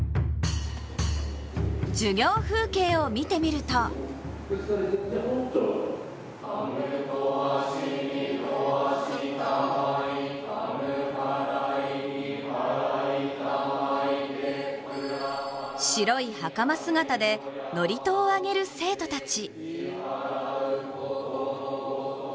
授業風景を見てみると白いはかま姿で、祝詞をあげる生徒たち。